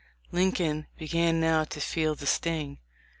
Lincoln began now to feel the sting.